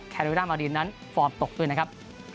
แคโนโลยีด้านเมาดีนนั้นฟอร์มตกด้วยนะครับ